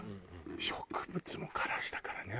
植物も枯らしたからね